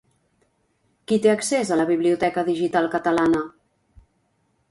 Qui té accés a la biblioteca digital catalana?